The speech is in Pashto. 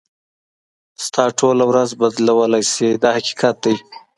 ستا ټوله ورځ بدلولای شي دا حقیقت دی.